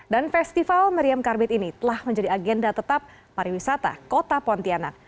dan festival meriam karbit ini telah menjadi agenda tetap para wisata kota pontianak